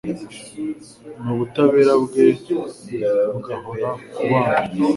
n’ubutabera bwe bugahora ku bana